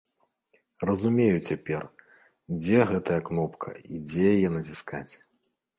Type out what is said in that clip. Разумею цяпер, дзе гэтая кнопка і дзе яе націскаць.